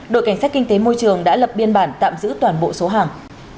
đội cảnh sát kinh tế môi trường đã lập biên bản tạm giữ toàn bộ số hàng